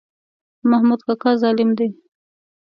محمود کاکا ظالم دی.